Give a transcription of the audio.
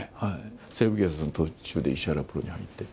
西部警察の途中で石原プロに入って。